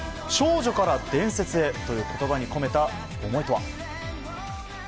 「少女から伝説へ」という言葉に込めた思いとは？